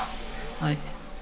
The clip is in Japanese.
「はい」。